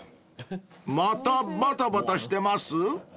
［またばたばたしてます？］